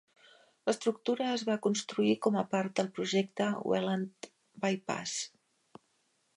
L'estructura es va construir com a part del projecte Welland By-Pass.